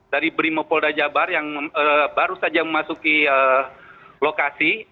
dari brimopolda jabar yang baru saja memasuki lokasi